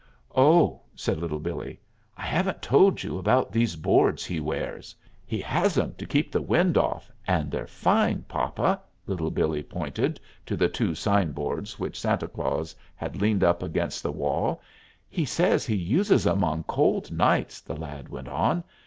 "Oh," said Little Billee, "I haven't told you about these boards he wears. He has 'em to keep the wind off, and they're fine, papa!" Little Billee pointed to the two sign boards which Santa Claus had leaned against the wall. "He says he uses 'em on cold nights," the lad went on.